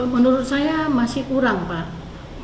menurut saya masih kurang pak